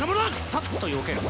さっとよける。